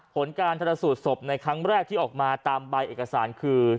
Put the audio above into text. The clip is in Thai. ผลการชนสูตรศพในครั้งแรกที่ออกมาตามใบเอกสารคือ